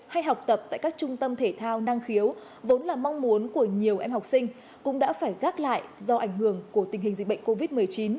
hay học tập tại các trung tâm thể thao năng khiếu vốn là mong muốn của nhiều em học sinh cũng đã phải gác lại do ảnh hưởng của tình hình dịch bệnh covid một mươi chín